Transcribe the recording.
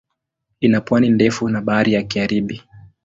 Ina pwani ndefu na Bahari ya Karibi.